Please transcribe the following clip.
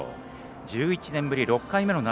１１年ぶり６回目の夏